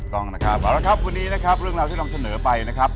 ต้องนะครับวันนี้นะครับเรื่องราวที่ลองเสนอไปนะครับ